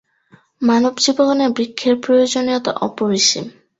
মানবজীবনে বৃক্ষের প্রয়োজনীয়তা অপরিসীম।